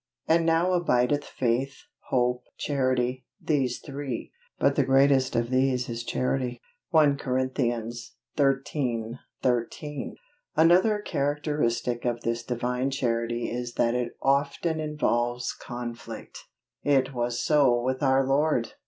And now abideth faith, hope, charity, these three; but the greatest of these is charity. 1 COR. xiii. 13. Another characteristic of this Divine Charity is, that it OFTEN INVOLVES CONFLICT. It was so with our Lord.